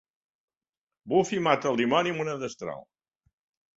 Buffy mata el dimoni amb una destral.